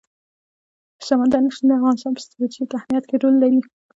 سمندر نه شتون د افغانستان په ستراتیژیک اهمیت کې رول لري.